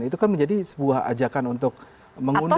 itu kan menjadi sebuah ajakan untuk mengundang